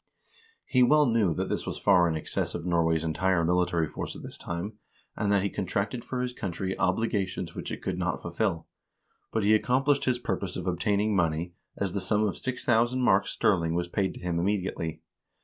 He well knew that this was far in excess of Norway's entire military force at this time, and that he contracted for his country obligations which it could not fulfill ; but he accom plished his purpose of obtaining money, as the sum of 6000 marks sterling was paid to him immediately.